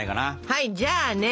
はいじゃあね